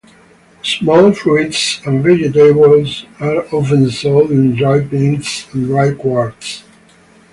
Small fruits and vegetables are often sold in dry pints and dry quarts.